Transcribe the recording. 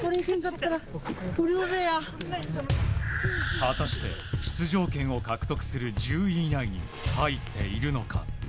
果たして、出場権を獲得する１０位以内に入っているのか。